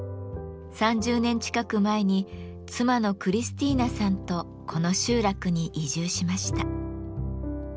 ３０年近く前に妻のクリスティーナさんとこの集落に移住しました。